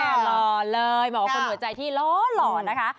หล่อเลยเหมือนว่าคนหัวใจที่หล่อหล่อนะคะ